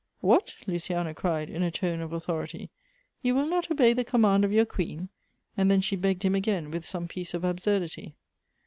"What!" Luciana cried, in a tone of authority; "you will not obey the command of your queen !" and then she begged him again with some piece of absurdity.